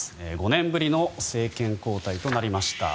５年ぶりの政権交代となりました。